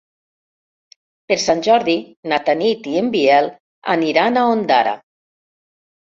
Per Sant Jordi na Tanit i en Biel aniran a Ondara.